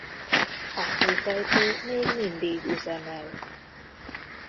A kőfejtő még mindig üzemel.